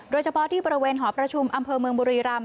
โดยเฉพาะที่บริเวณหอประชุมอำเภอเมืองบุรีรำ